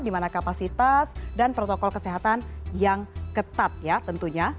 di mana kapasitas dan protokol kesehatan yang ketat ya tentunya